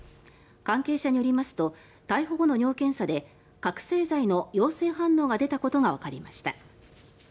関係者によりますと逮捕後の尿検査で覚醒剤の陽性反応が出たことがわかりました。